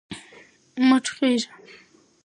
مه ټوخیژه